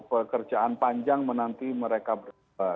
pekerjaan panjang menanti mereka berubah